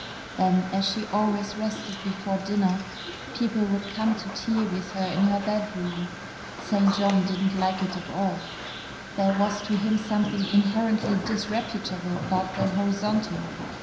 Then as she always rested before dinner, people would come to tea with her in her bedroom. St. John didn't like it at all. There was to him something inherently disreputable about the horizontal.